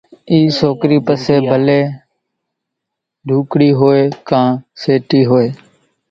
اِي سوڪري پسي ڀلي ڍوڪڙي ھوئي ڪان سيٽي ھوئي،